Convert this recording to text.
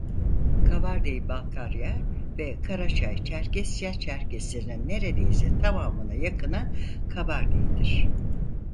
Kabardey-Balkarya ve Karaçay-Çerkesya Çerkeslerinin neredeyse tamamına yakını Kabardeydir.